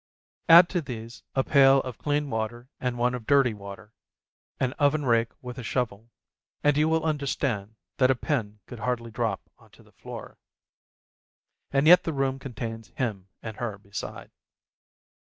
Add to these a pail of clean water and one of dirty water, an oven rake with a shovel, and you will understand that a pin could hardly drop onto the floor. And yet the room contains him and her beside.